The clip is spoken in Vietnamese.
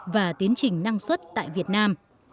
và tiến trình năng suất tại việt nam